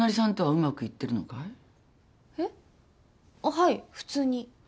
はい普通に。